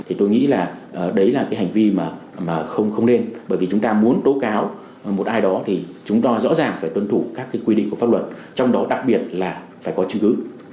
thì tôi nghĩ là đấy là cái hành vi mà không nên bởi vì chúng ta muốn tố cáo một ai đó thì chúng ta rõ ràng phải tuân thủ các quy định của pháp luật trong đó đặc biệt là phải có chứng cứ